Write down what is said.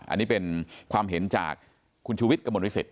อันนี้เป็นความเห็นจากคุณชูวิทรกมวิเศษ